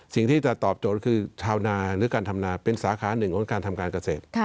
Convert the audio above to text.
สิ่งที่จะตอบโจทย์คือชาวนาหรือการทำนาเป็นสาขาหนึ่งของการทำการเกษตร